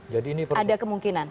jadi ini ada kemungkinan